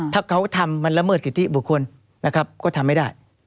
ถ้าเขาทำมันละเมิดสิทธิบุคคลนะครับก็ทำไม่ได้